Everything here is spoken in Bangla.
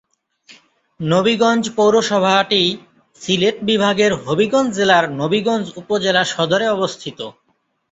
নবীগঞ্জ পৌরসভাটি সিলেট বিভাগের হবিগঞ্জ জেলার নবীগঞ্জ উপজেলা সদরে অবস্থিত।